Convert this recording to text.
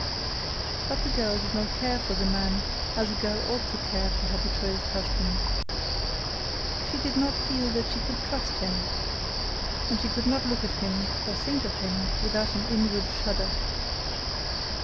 But the girl did not care for the man as a girl ought to care for her betrothed husband. She did not feel that she could trust him, and she could not look at him nor think of him without an inward shudder.